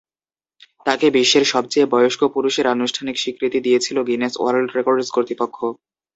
তাঁকে বিশ্বের সবচেয়ে বয়স্ক পুরুষের আনুষ্ঠানিক স্বীকৃতি দিয়েছিল গিনেস ওয়ার্ল্ড রেকর্ডস কর্তৃপক্ষ।